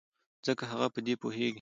ځکه هغه په دې پوهېږي.